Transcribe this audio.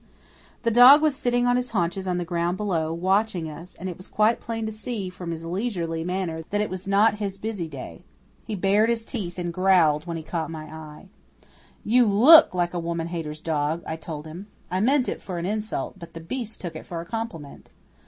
The dog was sitting on his haunches on the ground below, watching us, and it was quite plain to be seen, from his leisurely manner, that it was not his busy day. He bared his teeth and growled when he caught my eye. "You LOOK like a woman hater's dog," I told him. I meant it for an insult; but the beast took it for a compliment.